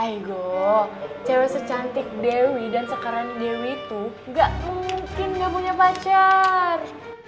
ego cewek secantik dewi dan sekarang dewi itu gak mungkin gak punya pacar